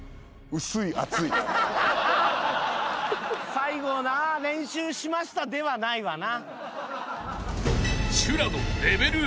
最後な「練習しました」ではないわな。